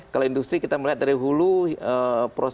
kalau industri kita melihat dari hulu proses